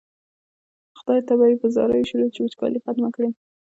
خدای ته به یې په زاریو شو چې وچکالي ختمه کړي.